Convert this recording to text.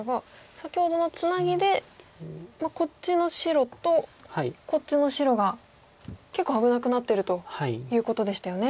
先ほどのツナギでこっちの白とこっちの白が結構危なくなってるということでしたよね。